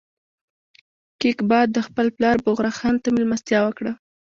کیقباد خپل پلار بغرا خان ته مېلمستیا وکړه.